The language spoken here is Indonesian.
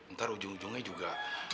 ntar ujung ujungnya juga